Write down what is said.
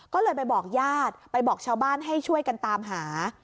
ก็เลยไปบอกญาติไปบอกชาวบ้านให้ช่วยกันตามหา